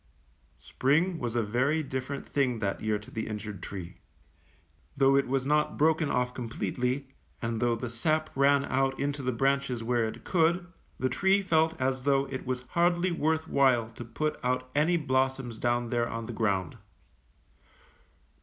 ^^ Spring was a very different thing that year to the injured tree. Though it was not broken off completely, and though the sap ran out into the branches where it could, the tree felt as though it was hardly worth while to put out any blossoms down there on the ground.